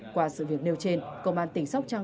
qua sự việc nêu trên công an tỉnh sóc trăng